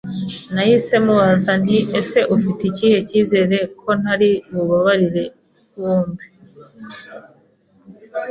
nahise mubaza nti ese ufite ikihe cyizere ko ntari bubabure bombi?